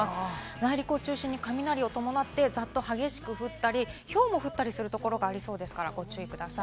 内陸を中心に雷を伴ってざっと激しく降ったり、ひょうも降ったりするところがありそうですからご注意ください。